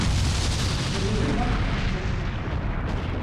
Тегеһе баш ҡына сайҡаны.